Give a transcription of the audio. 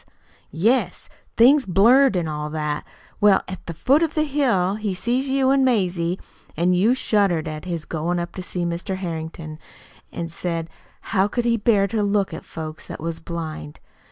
"Yes things blurred, an' all that. Well, at the foot of the hill he see you an' Mazie, an' you shuddered at his goin' up to see Mr. Harrington, an' said how could he bear to look at folks that was blind.